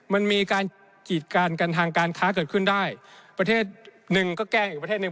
มันมีการกีดกันทางการค้าเกิดขึ้นได้ประเทศหนึ่งก็แกล้งอีกประเทศหนึ่ง